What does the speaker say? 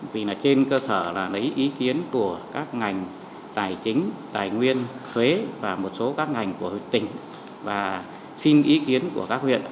vì là trên cơ sở là lấy ý kiến của các ngành tài chính tài nguyên thuế và một số các ngành của tỉnh và xin ý kiến của các huyện